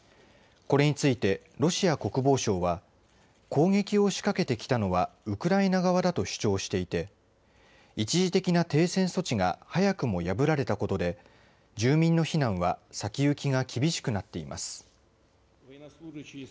これについてロシア国防省は攻撃を仕掛けてきたのはウクライナ側だと主張していて一時的な停戦措置が早くも破られたことで住民の避難は先行きが厳しくなっています。